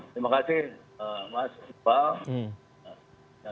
terima kasih mas iqbal